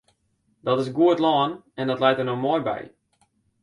Dat is goed lân en dat leit der no moai by.